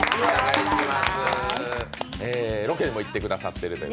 ロケにも行っていただいているという。